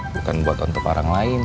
bukan buat untuk orang lain